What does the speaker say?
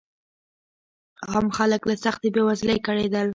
عام خلک له سختې بېوزلۍ کړېدل.